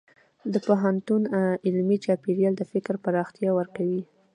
د پوهنتون علمي چاپېریال د فکر پراختیا ورکوي.